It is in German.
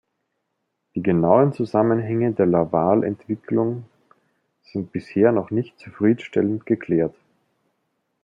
Die genauen Zusammenhänge der Larvalentwicklung sind bisher noch nicht zufriedenstellend geklärt.